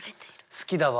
好きだわ。